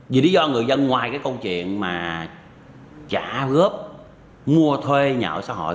vì lý do người dân ngoài cái câu chuyện mà trả góp mua thuê nhà ở xã hội